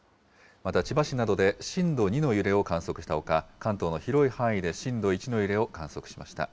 また千葉市などで震度２の揺れを観測したほか、関東の広い範囲で震度１の揺れを観測しました。